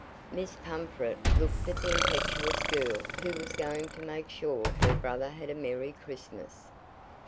Miss Pumfret looked at the impetuous girl who was going to make sure her brother had a merry Christmas.